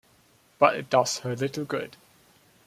But it does her little good.